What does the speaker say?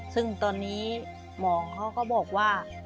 ซึ่งตอนนี้หมอเขาก็บอกว่า